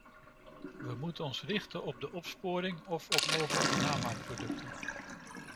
We moeten ons richten op de opsporing of op mogelijke namaakproducten.